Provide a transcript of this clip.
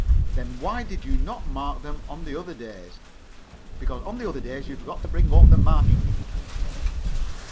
"Then why did you not mark them on the other days?" "Because on the other days you forgot to bring home the marking ink."